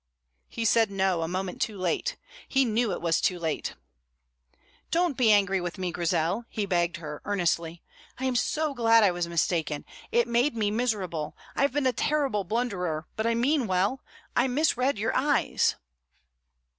He said No a moment too late. He knew it was too late. "Don't be angry with me, Grizel," he begged her, earnestly. "I am so glad I was mistaken. It made me miserable. I have been a terrible blunderer, but I mean well; I misread your eyes."